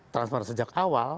transparan sejak awal